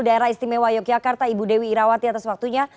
daerah istimewa yogyakarta ibu dewi irawati atas waktunya